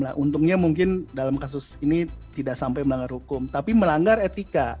nah untungnya mungkin dalam kasus ini tidak sampai melanggar hukum tapi melanggar etika